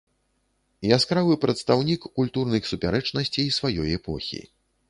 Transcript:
Яскравы прадстаўнік культурных супярэчнасцей сваёй эпохі.